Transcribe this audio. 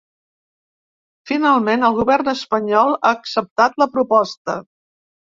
Finalment, el govern espanyol ha acceptat la proposta.